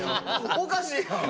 おかしいやん。